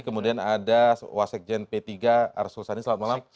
kemudian ada wasakjen p tiga arsulsani selamat malam